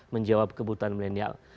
menjawab kebutuhan milenial